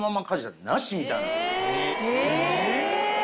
え！